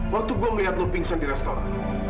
waktu gue melihat lo pingsan di restoran